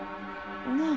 なあ？